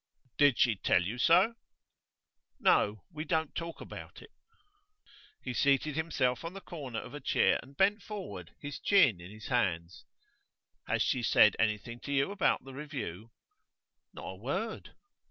'Did she tell you so?' 'No. We don't talk about it.' He seated himself on the corner of a chair and bent forward, his chin in his hand. 'Has she said anything to you about the review?' 'Not a word.